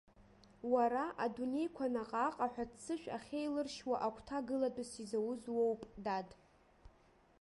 Уара адунеиқәа наҟ-ааҟ аҳәаццышә ахьеилыршьуа агәҭа гылатәыс изауз уоуп дад.